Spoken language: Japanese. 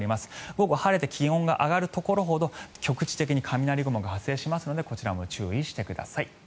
午後晴れて気温が上がるところほど局地的に雷雲が発生しますのでこちらも注意してください。